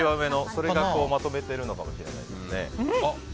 それがまとめているのかもしれないですね。